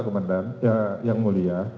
komandan ya yang mulia